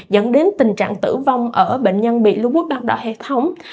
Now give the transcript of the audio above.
dẫn đến tình trạng tử vong ở bệnh nhân bị lưu bút đọc đỏ hệ thống